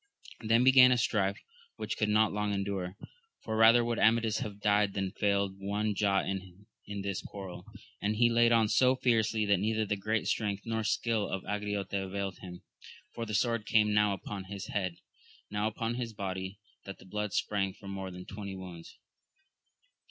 Then began a strife which could not long endure, for rather would Amadis have died than failed one jot in this quarrel, and he laid on so fiercely that neither the great strength nor skill of Angriote availed him; for the sword came now upon his head, now upon his body, that the blood sprang from more than twenty wounds.